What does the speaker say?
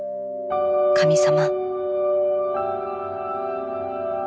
神様」。